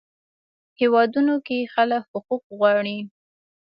هیوادونو کې خلک حقوق غواړي.